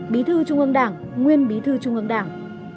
bí thư trung ương đảng nguyên bí thư trung ương đảng